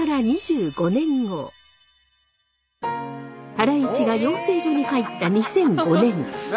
ハライチが養成所に入った２００５年。